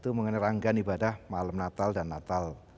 itu mengenai rangkaian ibadah malam natal dan natal